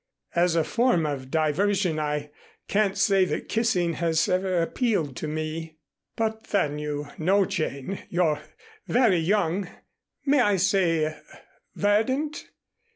"As a form of diversion I can't say that kissing has ever appealed to me." "But then, you know, Jane, you're very young may I say verdant?